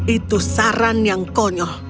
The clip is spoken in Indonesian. itu saran yang konyol